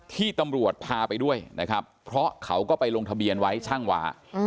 ที่ตำรวจพาไปด้วยนะครับเพราะเขาก็ไปลงทะเบียนไว้ช่างวา